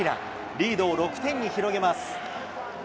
リードを６点に広げます。